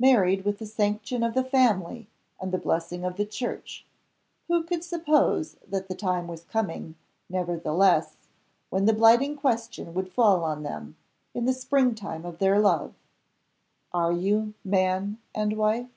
Married with the sanction of the Family and the blessing of the Church who could suppose that the time was coming, nevertheless, when the blighting question would fall on them, in the spring time of their love: Are you Man and Wife?